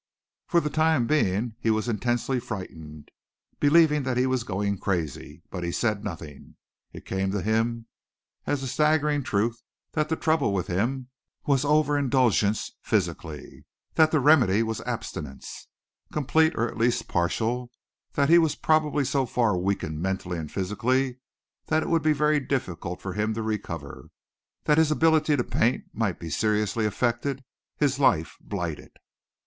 For the time being he was intensely frightened, believing that he was going crazy, but he said nothing. It came to him as a staggering truth that the trouble with him was over indulgence physically; that the remedy was abstinence, complete or at least partial; that he was probably so far weakened mentally and physically that it would be very difficult for him to recover; that his ability to paint might be seriously affected his life blighted.